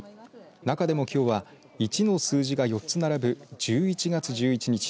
中でもきょうは１の数字が４つ並ぶ１１月１１日。